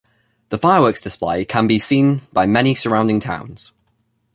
The fireworks display can be seen by many surrounding towns.